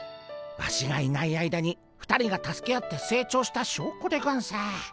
ワシがいない間に２人が助け合って成長したしょうこでゴンス。